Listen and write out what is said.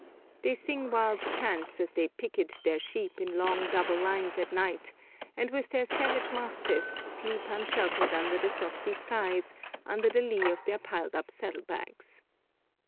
They sing wild chants as they picket their sheep in long double lines at night, and with their savage mastiffs sleep unsheltered under the frosty skies under the lee of their piled up saddlebags.